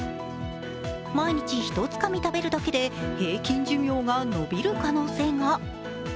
毎日ひとつかみ食べるだけで平均寿命が延びる可能性が。